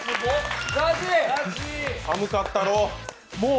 寒かったろう。